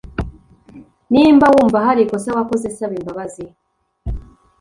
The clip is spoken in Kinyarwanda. Nimba wumva harikosa wakoze saba imbabazi